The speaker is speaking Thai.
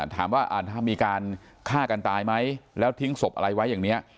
ถามว่าถ้ามีการฆ่ากันตายไหมแล้วทิ้งศพอะไรไว้อย่างนี้